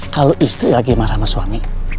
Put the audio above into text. kalau istri lagi marah sama suami